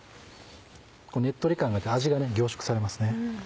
ねっとり感があって味が凝縮されますね。